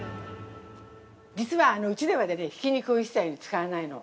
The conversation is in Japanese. ◆実は、うちではひき肉を一切使わないの。